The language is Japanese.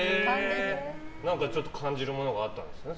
何か、ちょっと感じるものがあったんですね。